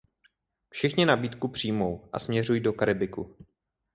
Všichni nabídku přijmou a směřují do Karibiku.